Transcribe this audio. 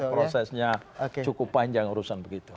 prosesnya cukup panjang urusan begitu